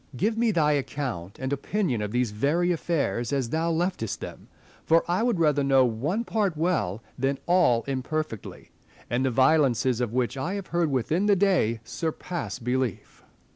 Give me thy account and opinion of these very affairs as thou leftest them ; for I would rather know one part well than all imperfectly ; and the violences of which I have heard within the day surpass belief.